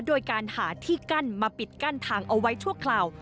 โดยการหาที่กั้นมาปิดกั้นทางเอาไว้ชั่วคราว